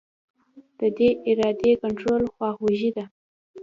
د دې ارادې کنټرول خواخوږي ده.